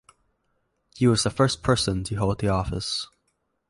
He was the first person to hold the office.